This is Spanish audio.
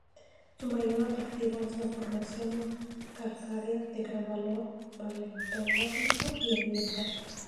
Su mayor atractivo es la formación calcárea de gran valor paleontológico y ambiental.